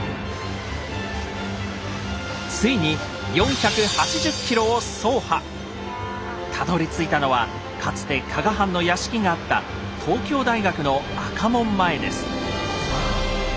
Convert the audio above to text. ついにたどりついたのはかつて加賀藩の屋敷があった東京大学の赤門前です。